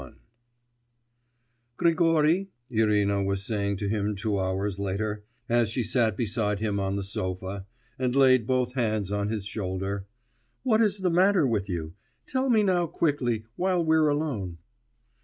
XXI 'Grigory,' Irina was saying to him two hours later, as she sat beside him on the sofa, and laid both hands on his shoulder, 'what is the matter with you? Tell me now quickly, while we're alone.